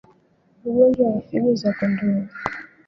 Ugonjwa wa figo za kondoo